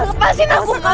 lepasin aku ma